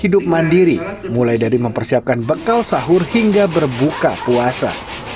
hidup mandiri mulai dari mempersiapkan bekal sahur hingga berbuka puasa